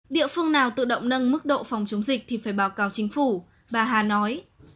địa phương nào tự động nâng mức độ phòng chống dịch thì phải báo cáo chính phủ bà hà nói